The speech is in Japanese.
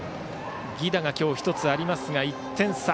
犠打が今日１つありますが１点差。